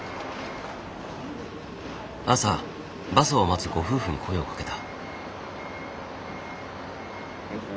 朝バスを待つご夫婦に声をかけた。